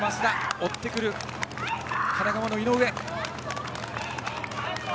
追ってくる神奈川の井上。